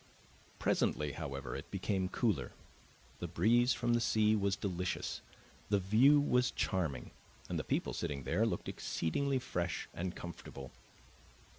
Presently, however, it became cooler; the breeze from the sea was delicious, the view was charming, and the people sitting there looked exceedingly fresh and comfortable.